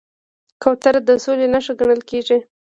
کوتره د سولې نښه ګڼل کېږي.